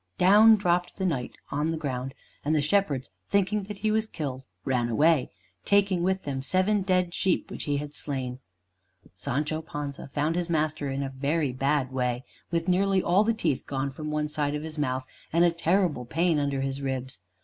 Down dropped the Knight on the ground, and the shepherds thinking that he was killed, ran away, taking with them seven dead sheep which he had slain. Sancho Panza found his master in a very bad way, with nearly all the teeth gone from one side of his mouth, and with a terrible pain under his ribs.